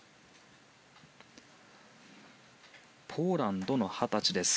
ポーランドの二十歳です。